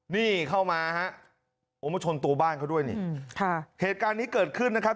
นี่เข้ามาฮะโอ้มาชนตัวบ้านเขาด้วยนี่ค่ะเหตุการณ์นี้เกิดขึ้นนะครับ